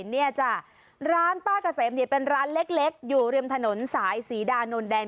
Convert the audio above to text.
เนี่ยจ้ะร้านป้าเกษมเนี่ยเป็นร้านเล็กอยู่ริมถนนสายศรีดานนแดง